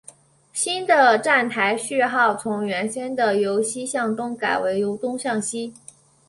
新的站台序号从原先的由西向东改为由东向西。